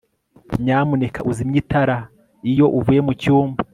nyamuneka uzimye itara iyo uvuye mucyumba